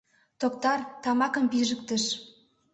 Токтар тамакым пижыктыш...